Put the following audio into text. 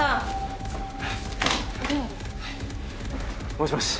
もしもし。